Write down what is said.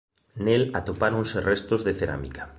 Nel atopáronse restos de cerámica.